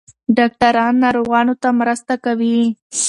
ډاکټران ناروغانو ته مرسته کوي.